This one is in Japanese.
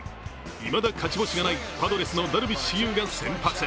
いまだ勝ち星がないパドレスのダルビッシュ有が先発。